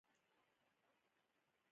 دا علم په تولید او مبادلې باندې بحث کوي.